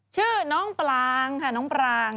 ชื่อน้องปรางค่ะน้องปราง